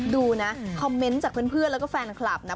ดูนะคอมเมนต์จากเพื่อนแล้วก็แฟนคลับนะ